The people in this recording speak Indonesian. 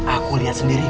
aku lihat sendiri